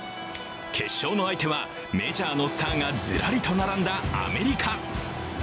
決勝の相手はメジャーのスターがずらりと並んだアメリカ。